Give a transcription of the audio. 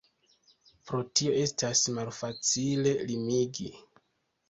Pro tio estas malfacile limigi.